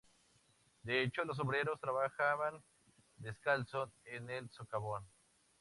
De hecho los obreros trabajaban descalzos en el socavón.